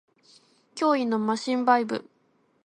脅威のマシンバイブ